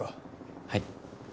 はい。